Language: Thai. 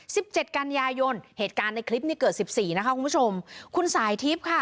สิบเจ็ดกันยายนเหตุการณ์ในคลิปนี้เกิดสิบสี่นะคะคุณผู้ชมคุณสายทิพย์ค่ะ